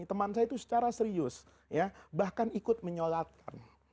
teman saya itu secara serius bahkan ikut menyolatkan